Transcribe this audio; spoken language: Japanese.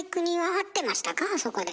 あそこで。